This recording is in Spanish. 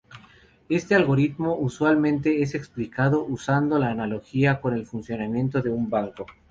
Este algoritmo usualmente es explicado usando la analogía con el funcionamiento de un banco.